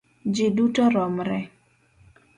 Ji duto romre